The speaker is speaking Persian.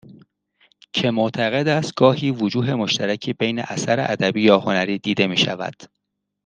که معتقد است گاهی وجوه مشترکی بین اثر ادبی یا هنری دیده میشود